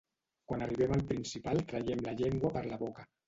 Quan arribem al principal traiem la llengua per la boca.